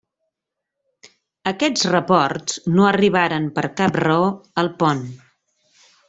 Aquests reports no arribaren per cap raó al pont.